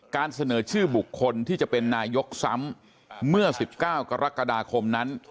การเสนอชื่อบุคคลที่จะเป็นนายกซ้ำเมื่อ๑๙กรกฎาคมนั้น